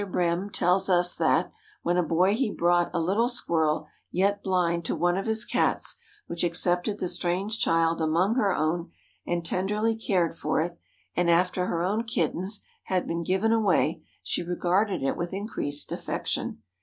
Brehm tells us that, when a boy he brought a little squirrel, yet blind, to one of his Cats, which accepted the strange child among her own and tenderly cared for it, and after her own kittens had been given away she regarded it with increased affection.